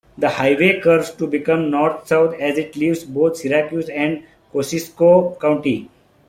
The highway curves to become north-south as it leaves both Syracuse and Kosciusko County.